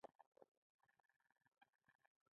د بایسکل څراغونه په شپه کې ضرور دي.